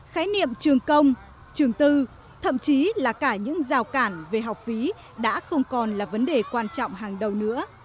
khái niệm trường công trường tư thậm chí là cả những rào cản về học phí đã không còn là vấn đề quan trọng hàng đầu nữa